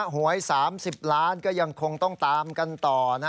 หวย๓๐ล้านก็ยังคงต้องตามกันต่อ